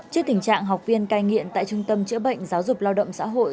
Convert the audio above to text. trước tình trạng học viên cai nghiện tại trung tâm chữa bệnh giáo dục lao động xã hội